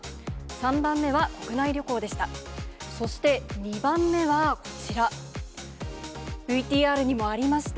３番目は国内旅行でした。